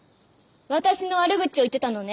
私の悪口を言ってたのね。